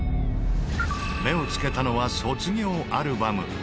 目を付けたのは卒業アルバム。